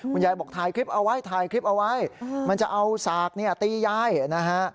คุณยายบอกถ่ายคลิปเอาไว้มันจะเอาสากตียายนะฮะ